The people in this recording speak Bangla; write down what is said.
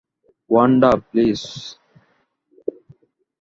Wanda, please.